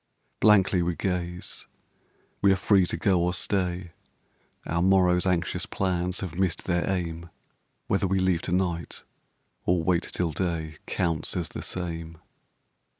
Blankly we gaze. We are free to go or stay; Our morrowŌĆÖs anxious plans have missed their aim; Whether we leave to night or wait till day Counts as the same.